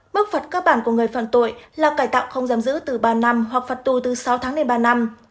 mức phạt cơ bản của người phạm tội là cải tạo không giam giữ từ ba năm hoặc phạt tù từ sáu tháng đến ba năm